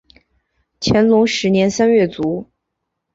乾隆十年三月卒。